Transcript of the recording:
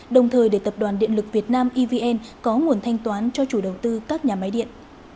đồng thời để tập đoàn điện lực việt nam evn có nguồn thanh toán cho chủ đầu tư các nhà máy điện